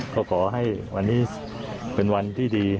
ก็ขอให้วันนี้เป็นวันที่ดี